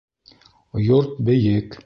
Йорт бейек